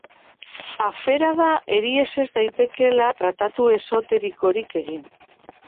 Afera da eriez ez daitekeela tratatu esoterikorik egin.